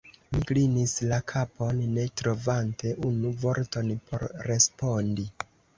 Mi klinis la kapon, ne trovante unu vorton por respondi.